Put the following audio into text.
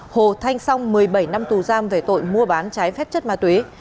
hồ thanh song một mươi bảy năm tù giam về tội mua bán trái phép chất ma túy